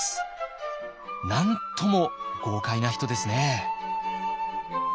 なんとも豪快な人ですね。